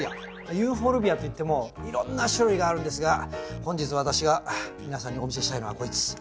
ユーフォルビアっていってもいろんな種類があるんですが本日私が皆さんにお見せしたいのはこいつ。